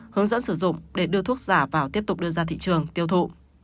hướng dẫn sử dụng để đưa thuốc giả vào tiếp tục đưa ra thị trường tiêu thụ